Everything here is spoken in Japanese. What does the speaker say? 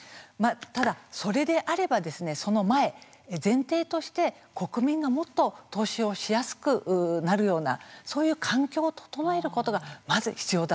ただ、それであればその前前提として国民がもっと投資をしやすくするなるようなそういう環境を整えることがまず必要だというふうに思います。